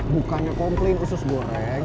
bukannya komplain usus goreng